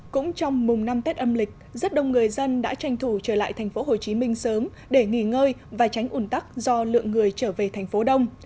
cũng trong mùng năm tết âm lịch rất đông người dân đã tranh thủ trở lại thành phố hồ chí minh sớm để nghỉ ngơi và tránh ủn tắc do lượng người trở về thành phố đông